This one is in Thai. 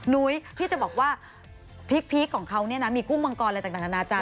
นุ้ยพี่จะบอกว่าพริกของเขาเนี่ยนะมีกุ้งมังกรอะไรต่างนานาจาร